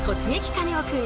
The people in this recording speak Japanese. カネオくん」